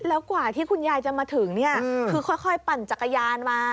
แล้วกว่าที่คุณยายจะมาถึงเนี่ยคือค่อยปั่นจักรยานมา